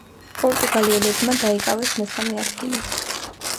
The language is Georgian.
პორტუგალიელებმა დაიკავეს მესამე ადგილი.